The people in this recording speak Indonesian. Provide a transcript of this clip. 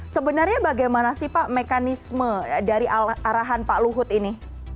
sebenarnya bagaimana sih pak mekanisme dari arahan pak luhut ini